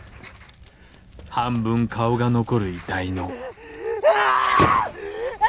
「半分顔が残る遺体の」ああ！